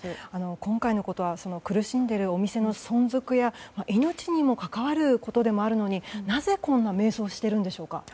今回のことは苦しんでいるお店の存続や命にも関わることでもあるのになぜこんなに迷走しているんでしょうか。